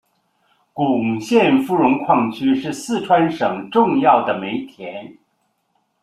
珙县芙蓉矿区是四川省重要的煤田。